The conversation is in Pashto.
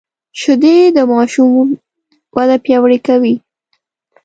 شیدې د ماشوم وده پیاوړې کوي